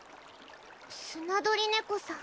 スナドリネコさん